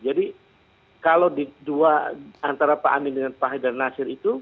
jadi kalau di dua antara pak amin dengan pak hedan nasir itu